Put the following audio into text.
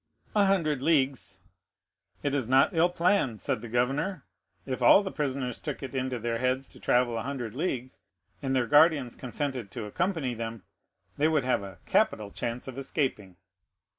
"A hundred leagues." "It is not ill planned," said the governor. "If all the prisoners took it into their heads to travel a hundred leagues, and their guardians consented to accompany them, they would have a capital chance of escaping."